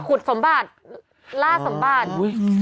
สมบัติล่าสมบัติ